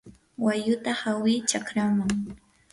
walluta hawi chakraman.